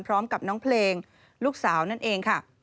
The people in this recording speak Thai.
พร้อมกับน้องเพลงลูกสาวนั่นเองค่ะ